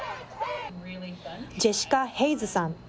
ジェシカ・ヘイズさん。